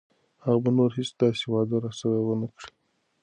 هغه به نوره هیڅ داسې وعده راسره ونه کړي.